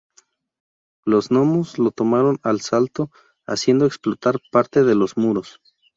Los gnomos lo tomaron al asalto, haciendo explotar parte de los muros.